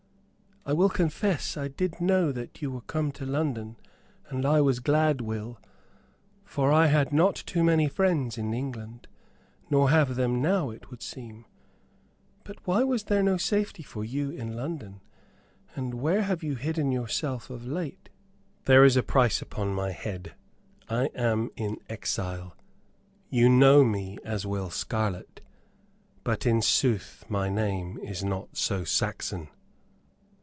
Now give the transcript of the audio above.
"I will confess, I did know that you were come to London, and I was glad, Will, for I had not too many friends in England, nor have them now, it would seem. But why was there no safety for you in London? And where have you hidden yourself of late?" "There is a price upon my head. I am in exile. You know me as Will Scarlett, but in sooth my name is not so Saxon."